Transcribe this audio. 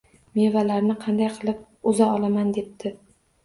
Mevalarni qanday qilib uza olaman? – debdi